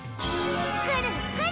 くるくる！